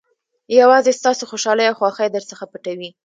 یوازې ستاسو خوشالۍ او خوښۍ درڅخه پټوي.